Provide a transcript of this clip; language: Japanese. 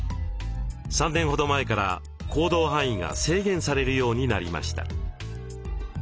３年ほど前から行動範囲が制限されるようになりました。